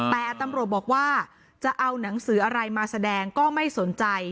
แต่ตำรวจบอกว่าจะเอาหนังสืออะไรมาแสดงก็ไม่สนใจ